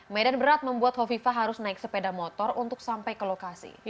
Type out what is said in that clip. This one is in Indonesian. medan berat membuat hovifa harus naik sepeda motor untuk sampai ke lokasi